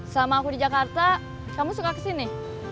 sama aku di jakarta kamu suka kesini